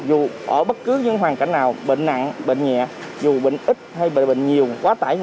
dù ở bất cứ những hoàn cảnh nào bệnh nặng bệnh nhẹ dù bệnh ít hay bệnh nhiều quá tải